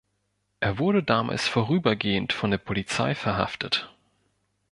Er wurde damals vorübergehend von der Polizei verhaftet.